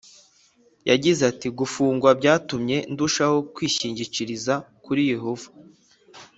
Yagize ati gufungwa byatumye ndushaho kwishingikiriza kuri Yehova